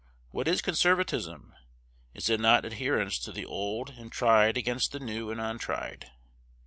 What is conservatism? Is it not adherence to the old and tried against the new and untried?